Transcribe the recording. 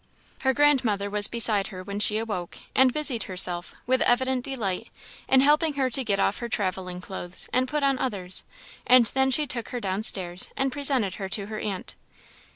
Her grandmother was beside her when she awoke, and busied herself, with evident delight, in helping her to get off her travelling clothes, and put on others, and then she took her down stairs, and presented her to her aunt.